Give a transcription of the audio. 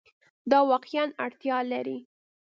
دا واقعیا اړتیا لري